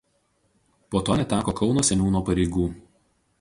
Po to neteko Kauno seniūno pareigų.